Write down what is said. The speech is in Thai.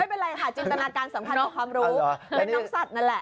ไม่เป็นไรค่ะจินตนาการสำคัญของความรู้เป็นน้องสัตว์นั่นแหละ